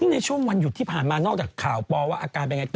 ในช่วงวันหยุดที่ผ่านมานอกจากข่าวปอว่าอาการเป็นยังไงต่อ